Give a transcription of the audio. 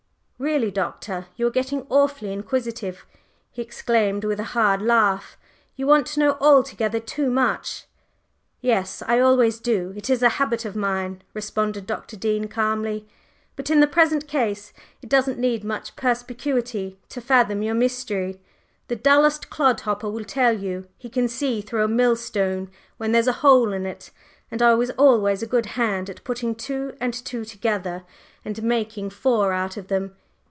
"Really, Doctor, you are getting awfully inquisitive!" he exclaimed with a hard laugh. "You want to know altogether too much!" "Yes, I always do; it is a habit of mine," responded Dr. Dean, calmly. "But in the present case, it doesn't need much perspicuity to fathom your mystery. The dullest clod hopper will tell you he can see through a millstone when there's a hole in it. And I was always a good hand at putting two and two together and making four out of them.